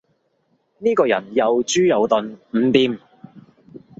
呢個人又豬又鈍，唔掂